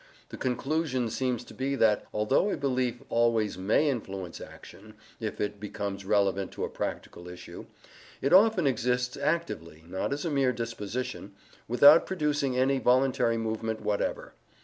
The conclusion seems to be that, although a belief always MAY influence action if it becomes relevant to a practical issue, it often exists actively (not as a mere disposition) without producing any voluntary movement whatever.